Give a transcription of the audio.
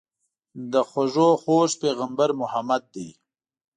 د خوږو خوږ پيغمبر محمد دي.